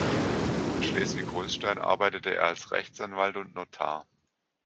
In Schleswig-Holstein arbeitete er als Rechtsanwalt und Notar.